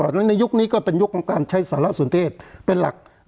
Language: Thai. ดังนั้นในยุคนี้ก็เป็นยุคของการใช้สารสนเทศเป็นหลัก